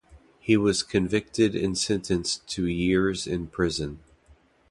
He was convicted and sentenced to years in prison.